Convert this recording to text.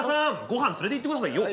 ごはん連れていってくださいよ」。